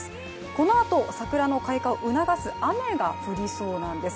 このあと桜の開花を促す雨が降りそうなんです。